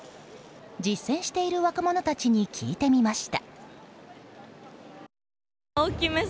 実践している若者たちに聞いてみました。